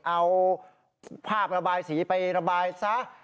เอาผ้าระบายสีไประบายซะ